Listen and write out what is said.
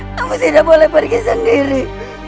kamu tidak boleh pergi sendiri